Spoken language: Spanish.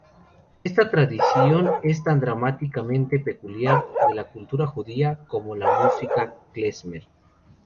Esta tradición es tan dramáticamente peculiar de la cultura judía como la música klezmer.